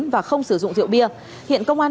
và không sử dụng rượu bia hiện công an